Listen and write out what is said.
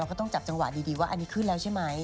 ก็ต้องจับจังหวะดีว่าอันนี้ขึ้นแล้วใช่ไหม